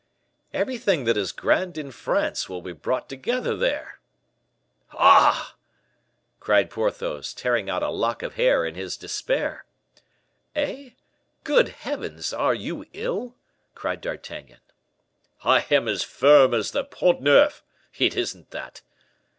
"Everything that is grand in France will be brought together there!" "Ah!" cried Porthos, tearing out a lock of hair in his despair. "Eh! good heavens, are you ill?" cried D'Artagnan. "I am as firm as the Pont Neuf! It isn't that."